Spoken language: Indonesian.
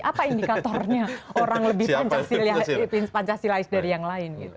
apa indikatornya orang lebih pancasilais dari yang lain gitu